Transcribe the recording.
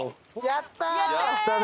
やったー！